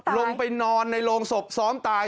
ลงไปนอนในโรงศพซ้อมตาย